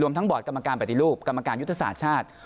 ทั้งบอร์ดกรรมการปฏิรูปกรรมการยุทธศาสตร์ชาติ